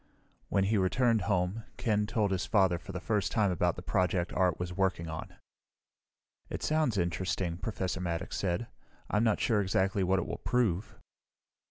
When he returned home Ken told his father for the first time about the project Art was working on. "It sounds interesting," Professor Maddox said. "I'm not sure exactly what it will prove."